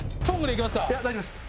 いや、大丈夫です。